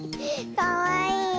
かわいいよ。